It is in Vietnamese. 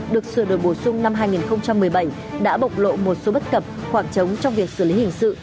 được sửa đổi bổ sung năm hai nghìn một mươi bảy đã bộc lộ một số bất cập khoảng trống trong việc xử lý hình sự